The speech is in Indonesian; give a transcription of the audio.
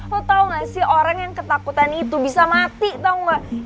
lo tahu nggak sih orang yang ketakutan itu bisa mati tau gak